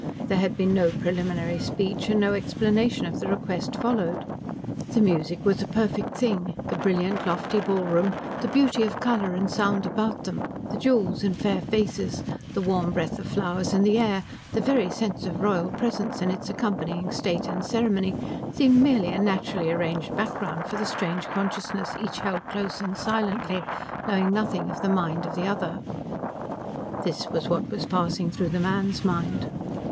There had been no preliminary speech and no explanation of the request followed. The music was a perfect thing, the brilliant, lofty ballroom, the beauty of colour and sound about them, the jewels and fair faces, the warm breath of flowers in the air, the very sense of royal presence and its accompanying state and ceremony, seemed merely a naturally arranged background for the strange consciousness each held close and silently knowing nothing of the mind of the other. This was what was passing through the man's mind.